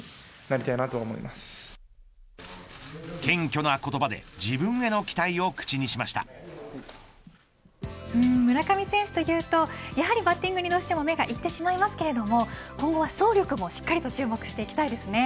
謙虚な言葉で村上選手というとやはりバッティングにどうしても目がいってしまいますけれども今後は走力もしっかりと注目していきたいですね。